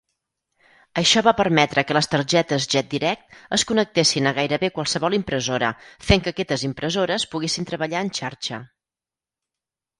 Això va permetre que les targetes Jetdirect es connectessin a gairebé qualsevol impressora, fent que aquestes impressores poguessin treballar en xarxa.